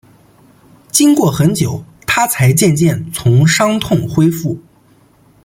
经过很久，她才渐渐从伤痛恢复